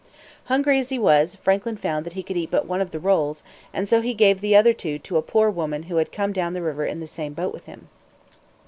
Hungry as he was, Franklin found that he could eat but one of the rolls, and so he gave the other two to a poor woman who had come down the river in the same boat with him.